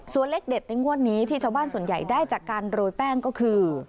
ส่วนเลขเด็ดในงวดนี้ที่ชาวบ้านส่วนใหญ่ได้จากการโรยแป้งก็คือ